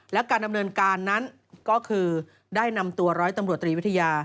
และการดำเนินการนั้นก็คือได้นำตัวร้อยตำรวจตรีวิทยา